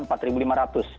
itu yang dikatakan